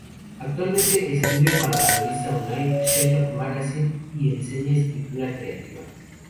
Actualmente escribe para la revista online "Sherlock Magazine" y enseña escritura creativa.